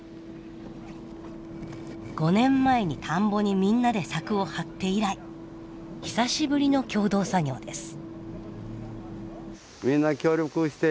５年前に田んぼにみんなで柵を張って以来久しぶりの共同作業です。